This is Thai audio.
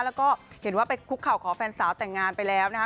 แล้วก็เห็นว่าไปคุกเข่าขอแฟนสาวแต่งงานไปแล้วนะคะ